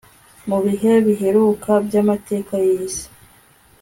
mu bihe biheruka by'amateka y'iyi si